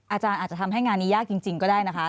อาจารย์อาจจะทำให้งานนี้ยากจริงก็ได้นะคะ